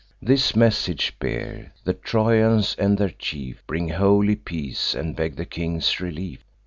This message bear: 'The Trojans and their chief Bring holy peace, and beg the king's relief.